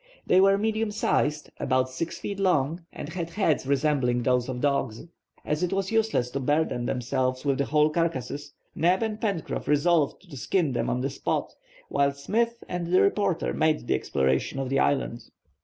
They were medium sized, about six feet long, and had heads resembling those of dogs. As it was useless to burden themselves with the whole carcass, Neb and Pencroff resolved to skin them on the spot, while Smith and the reporter made the exploration of the island.